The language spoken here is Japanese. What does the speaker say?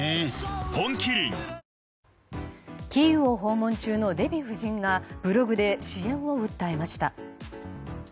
本麒麟キーウを訪問中のデヴィ夫人がブログで支援を訴えました。